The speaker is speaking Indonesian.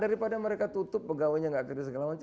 daripada mereka tutup pegawainya enggak kerja segala macam